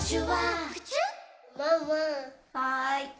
はい。